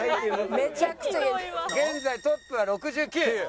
現在トップは６９。